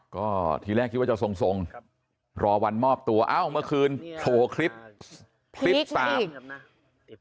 ก็ทีแรกคิดว่าจะทรงรอวันมอบตัวอ้าวเมื่อคืนโถคลิปคลิป๓